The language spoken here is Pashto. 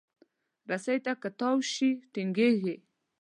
رسۍ که تاو شي، ټینګېږي.